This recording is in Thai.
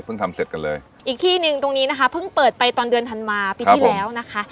ทำเสร็จกันเลยอีกที่หนึ่งตรงนี้นะคะเพิ่งเปิดไปตอนเดือนธันวาปีที่แล้วนะคะ